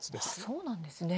そうなんですね。